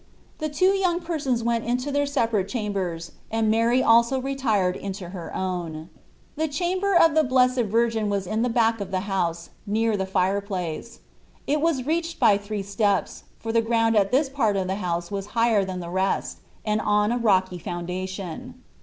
The two young persons went into their separate cham bers, and Mary also retired into her own. The chamber of the Blessed Virgin was at the back of the house, near the fireplace ; it was reached by three steps, for the ground at this part of the house was higher than the rest, and on a rocky foundation.